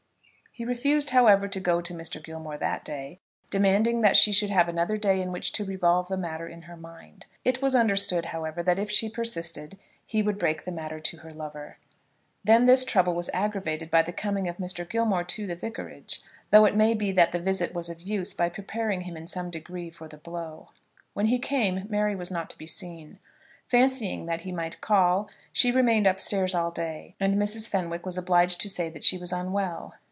He refused, however, to go to Mr. Gilmore that day, demanding that she should have another day in which to revolve the matter in her mind. It was understood, however, that if she persisted he would break the matter to her lover. Then this trouble was aggravated by the coming of Mr. Gilmore to the vicarage, though it may be that the visit was of use by preparing him in some degree for the blow. When he came Mary was not to be seen. Fancying that he might call, she remained up stairs all day, and Mrs. Fenwick was obliged to say that she was unwell.